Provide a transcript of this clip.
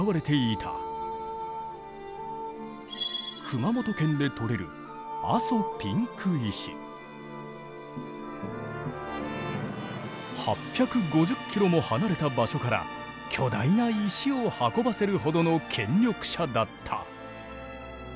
熊本県で採れる８５０キロも離れた場所から巨大な石を運ばせるほどの権力者だった。